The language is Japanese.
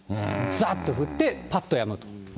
ざっと降ってぱっとやむ。